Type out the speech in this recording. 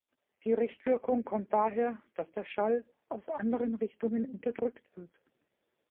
Die Richtwirkung kommt daher, dass der Schall aus anderen Richtungen unterdrückt wird.